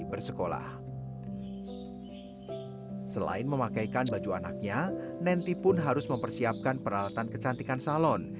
bersekolah selain memakaikan baju anaknya nenty pun harus mempersiapkan peralatan kecantikan salon